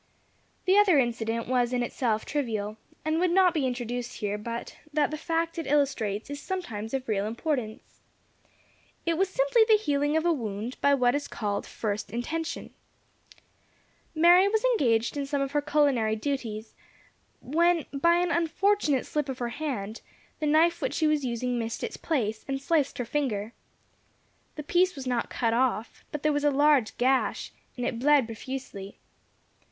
The other incident was in itself trivial, and would not be introduced here but that the fact it illustrates is sometimes of real importance. It was simply the healing of a wound by what is called "first intention." Mary was engaged in some of her culinary duties, when, by an unfortunate slip of her hand, the knife which she was using missed its place, and sliced her finger. The piece was not cut off, but there was a large gash, and it bled profusely.